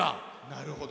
なるほど。